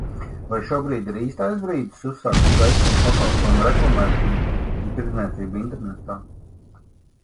Vai šobrīd ir īstais brīdis uzsākt preču un pakalpojumu reklamēšanu, un tirdzniecību internetā?